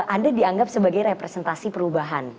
anda dianggap sebagai representasi perubahan